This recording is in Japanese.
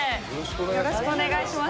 よろしくお願いします。